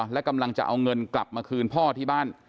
และกำลังจะเอาเงินกลับมาคืนพ่อที่บ้าน